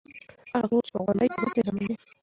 هغه کور چې په غونډۍ پروت دی زموږ دی.